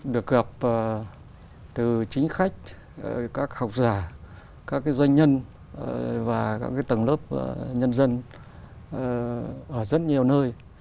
được gặp từ chính khách các học giả các doanh nhân và các tầng lớp nhân dân ở rất nhiều nơi